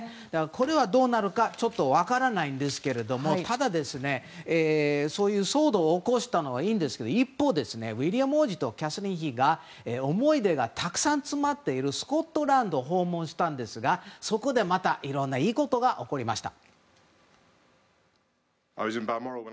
どうなるか分からないんですがただ、そういう騒動を起こしたのはいいんですが一方、ウィリアム王子とキャサリン妃が思い出がたくさん詰まっているスコットランドを訪問したんですがそこでまた、いろんないいことが起こりました。